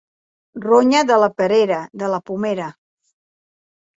Ronya de la perera, de la pomera.